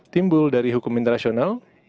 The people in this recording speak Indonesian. timbul dari hukum internasional